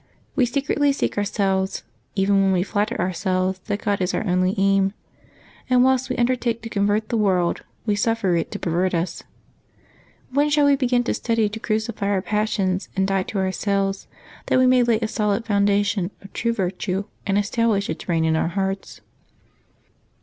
We secretly seek ourselves, even when we flatter ourselves that God is our only aim; and whilst we undertake to convert the world, we suffer it to perv^ert us. When shall we begin to study to crucify our passions and die to ourselves, that we may Febeuaby 19] LIVES OF TEE SAINTS 79 lay a solid foundation of true virtue and establish its reign in our hearts?